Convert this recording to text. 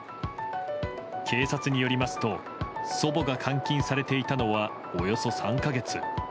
警察によりますと祖母が監禁されていたのはおよそ３か月。